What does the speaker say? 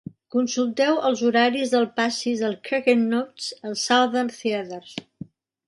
Consulteu els horaris dels passis de Cracked Nuts als Southern Theatres.